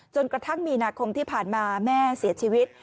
กระทั่งมีนาคมที่ผ่านมาแม่เสียชีวิต